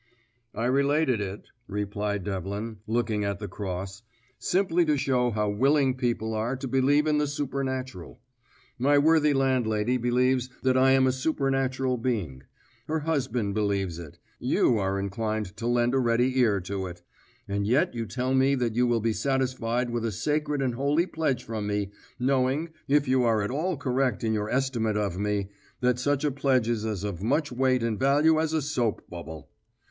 "I related it," replied Devlin, looking at the cross, "simply to show how willing people are to believe in the supernatural. My worthy landlady believes that I am a supernatural being; her husband believes it; you are inclined to lend a ready ear to it. And yet you tell me that you will be satisfied with a sacred and holy pledge from me, knowing, if you are at all correct in your estimate of me, that such a pledge is of as much weight and value as a soap bubble.